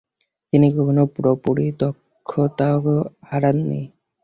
তিনি কখনো পুরোপুরি দক্ষতা হারাননি।